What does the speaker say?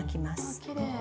わきれい。